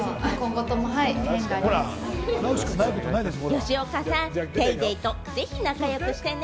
吉岡さん、『ＤａｙＤａｙ．』とぜひ仲良くしてね。